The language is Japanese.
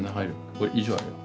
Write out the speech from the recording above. これ以上あるよ。